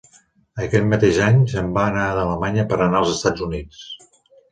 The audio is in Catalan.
Aquell mateix any, se'n va anar d'Alemanya per anar als Estats Units.